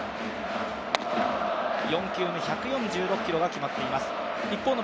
４球目、１４６キロが決まっています。